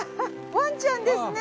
ワンちゃんですね。